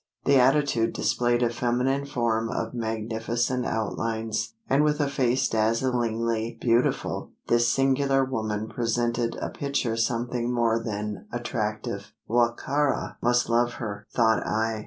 The attitude displayed a feminine form of magnificent outlines; and with a face dazzlingly beautiful, this singular woman presented a picture something more than attractive. "Wa ka ra must love her?" thought I.